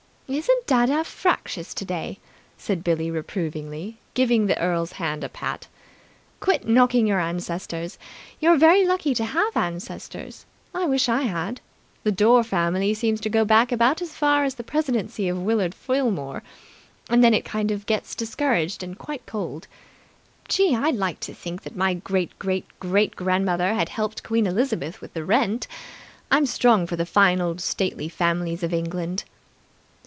"Isn't dadda fractious today?" said Billie reprovingly, giving the Earl's hand a pat. "Quit knocking your ancestors! You're very lucky to have ancestors. I wish I had. The Dore family seems to go back about as far as the presidency of Willard Filmore, and then it kind of gets discouraged and quite cold. Gee! I'd like to feel that my great great great grandmother had helped Queen Elizabeth with the rent. I'm strong for the fine old stately families of England."